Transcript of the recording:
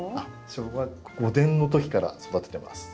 小学５年の時から育ててます。